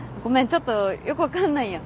ちょっとよく分かんないや。